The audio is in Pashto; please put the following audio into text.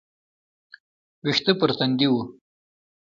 ويښته پر تندي وه.